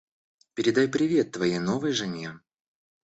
Передай привет твоей новой жене.